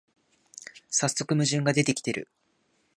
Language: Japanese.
さっそく矛盾が出てきてる